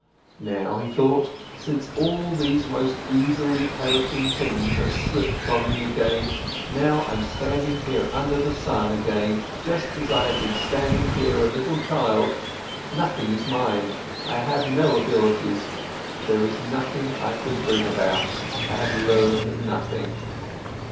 Now, he thought, since all these most easily perishing things have slipped from me again, now I'm standing here under the sun again just as I have been standing here a little child, nothing is mine, I have no abilities, there is nothing I could bring about, I have learned nothing.